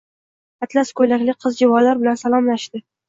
Atlas ko‘ylakli qiz-juvonlar bilan salomlashdi.